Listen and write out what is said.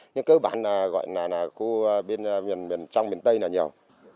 nhưng cơ bản là gọi là khu bên trong miền tây là nhiều